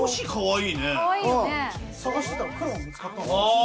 探してたら黒見つかったんです。